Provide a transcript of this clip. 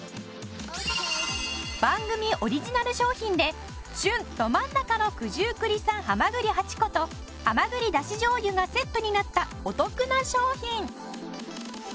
番組オリジナル商品で旬ど真ん中の九十九里産蛤８個と蛤だし醤油がセットになったお得な商品。